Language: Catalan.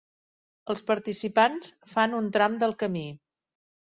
Els participants fan un tram del camí.